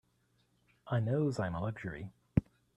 I knows I'm a luxury.